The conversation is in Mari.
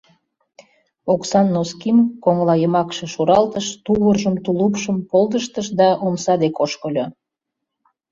Оксан носким коҥылайымакше шуралтыш, тувыржым, тулупшым полдыштыш да омса дек ошкыльо.